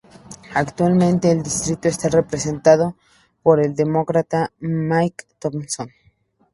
Actualmente el distrito está representado por el Demócrata Mike Thompson.